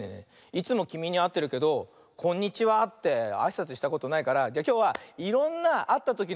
いつもきみにあってるけど「こんにちは」ってあいさつしたことないからじゃあきょうはいろんなあったときのあいさつをやってみようかな。